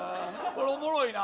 これおもろいな。